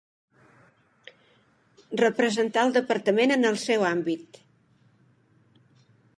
Representar el Departament en el seu àmbit.